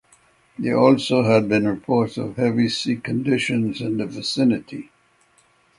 There also had been reports of heavy sea conditions in the vicinity.